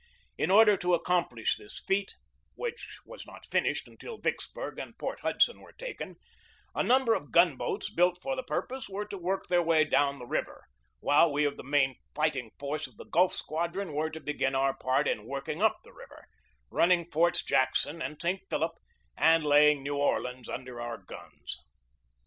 In order to accomplish this feat, which was not finished until Vicksburg and Port Hudson were taken, a number of gun boats built for the purpose were to work their way down the river, while we of the main fighting force of the Gulf Squad ron were to begin our part in working up the river, running Forts Jackson and St. Philip and laying New Orleans under our guns.